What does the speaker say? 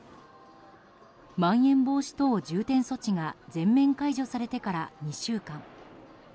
まん延防止等重点措置が全面解除されてから２週間。